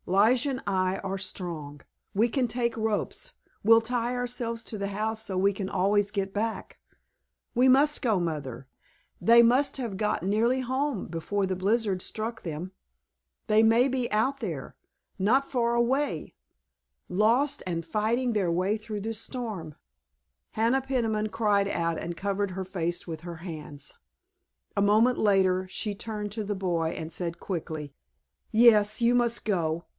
Lige and I are strong—we can take ropes—we'll tie ourselves to the house so we can always get back. We must go, Mother! They must have got nearly home before the blizzard struck them. They may be out there—not far away—lost and fighting their way through this storm——" Hannah Peniman cried out and covered her face with her hands. A moment later she turned to the boy and said quickly, "Yes, you must go.